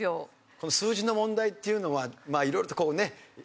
この数字の問題っていうのはまあ色々とこうねっ？